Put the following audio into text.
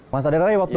mas aderai waktu